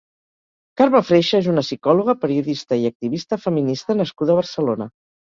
Carme Freixa és una psicòloga, periodista i activista feminista nascuda a Barcelona.